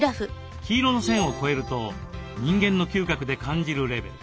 黄色の線を超えると人間の嗅覚で感じるレベル。